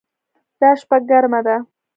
دا شپه ګرمه ده